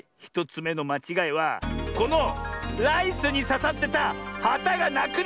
１つめのまちがいはこのライスにささってたはたがなくなってる！